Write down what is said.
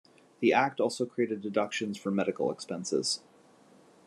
The Act also created deductions for medical expenses.